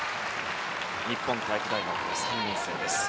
日本体育大学の３年生。